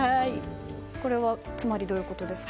これはつまりどういうことですか？